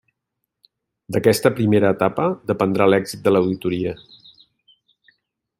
D’aquesta primera etapa dependrà l'èxit de l'auditoria.